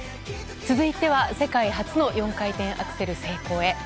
続いては、世界初の４回転アクセル成功へ。